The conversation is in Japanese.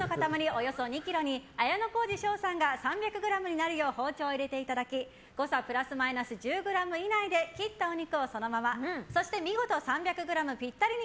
およそ２ｋｇに綾小路翔さんが３００ｇになるよう包丁を入れていただき誤差プラスマイナス１０ｇ以内であれば切ったお肉をそのままそして見事３００ｇぴったりに